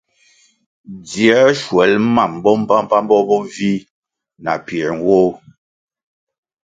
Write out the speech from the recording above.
Dziē shwel mam bo mbpambpambo bo vih na piē nwoh.